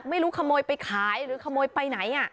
ไม่รู้ขโมยไปขายหรือขโมยไปไหน